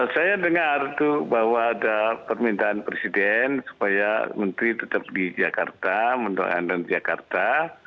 saya dengar itu bahwa ada permintaan presiden supaya menteri tetap di jakarta mendoakan dan di jakarta